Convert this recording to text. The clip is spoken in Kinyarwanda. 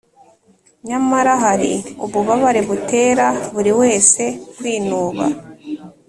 nyamara hari ububabare butera buri wese kwinuba